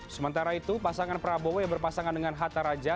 sementara itu pasangan prabowo yang berpasangan dengan hatta raja